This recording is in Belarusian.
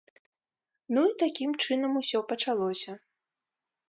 Ну і такім чынам усё пачалося.